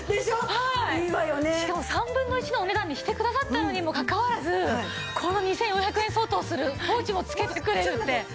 しかも３分の１のお値段にしてくださったのにもかかわらずこの２４００円相当するポーチも付けてくれるって。